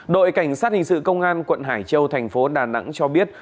đội cảnh sát hình sự công an quận hải châu thành phố đà nẵng cho biết